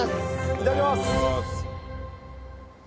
いただきます。